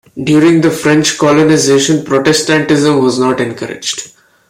During the French colonization, Protestantism was not encouraged.